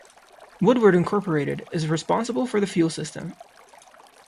Woodward, Incorporated is responsible for the fuel system.